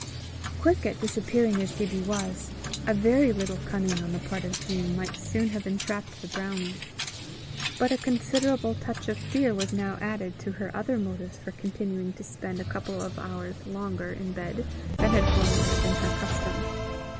Quick at disappearing as Gibbie was, a very little cunning on the part of Jean might soon have entrapped the brownie; but a considerable touch of fear was now added to her other motives for continuing to spend a couple of hours longer in bed than had formerly been her custom.